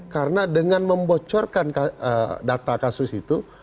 karena dengan membocorkan data kasus itu